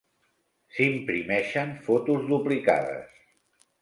S'imprimeixen fotos duplicades.